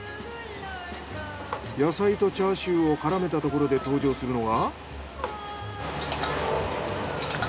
野菜とチャーシューを絡めたところで登場するのが。